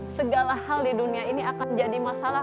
segala hal di dunia ini akan jadi masalah